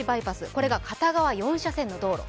これが片側４車線の道路。